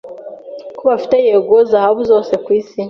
Ko bafite yego zahabu zose kwisi